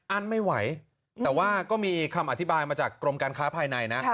ไม่ไหวแต่ว่าก็มีคำอธิบายมาจากกรมการค้าภายในนะ